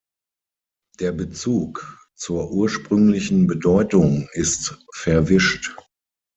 Der Bezug zur ursprünglichen Bedeutung ist verwischt.